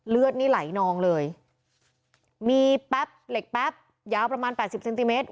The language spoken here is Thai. เลือดนี่ไหลนองเลยมีแป๊บเหล็กแป๊บยาวประมาณแปดสิบเซนติเมตร